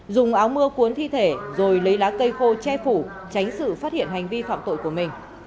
dùng áo mưa cuốn thi thể rồi lấy lá cây khô che phủ tránh sự phát hiện hành vi phạm tội của mình